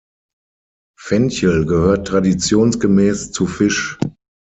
Fenchel gehört traditionsgemäß zu Fisch.